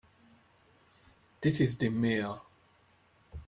This is the Mayor.